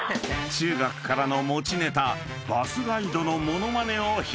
［中学からの持ちネタバスガイドの物まねを披露］